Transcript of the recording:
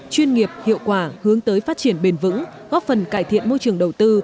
chuyên nghiệp hiệu quả hướng tới phát triển bền vững góp phần cải thiện môi trường đầu tư